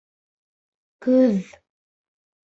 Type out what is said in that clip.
Көҙ.